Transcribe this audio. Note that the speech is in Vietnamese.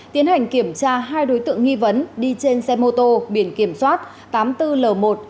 tiến hành kiểm tra hai đối tượng nghi vấn đi trên xe mô tô biển kiểm soát tám mươi bốn l một hai mươi bốn nghìn chín trăm bảy mươi hai